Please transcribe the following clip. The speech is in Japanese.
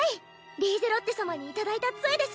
リーゼロッテ様に頂いた杖です。